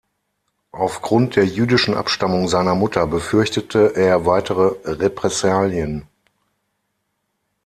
Aufgrund der jüdischen Abstammung seiner Mutter befürchtete er weitere Repressalien.